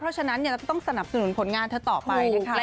เพราะฉะนั้นเราต้องสนับสนุนผลงานเธอต่อไปนะคะ